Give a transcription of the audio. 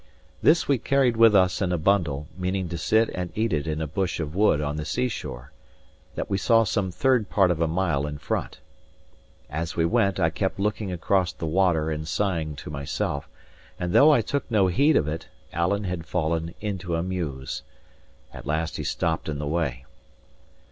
This we carried with us in a bundle, meaning to sit and eat it in a bush of wood on the sea shore, that we saw some third part of a mile in front. As we went, I kept looking across the water and sighing to myself; and though I took no heed of it, Alan had fallen into a muse. At last he stopped in the way.